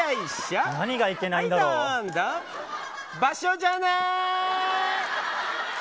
場所じゃない。